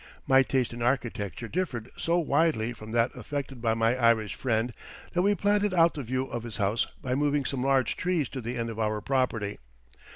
My taste in architecture differed so widely from that affected by my Irish friend, that we planted out the view of his house by moving some large trees to the end of our property.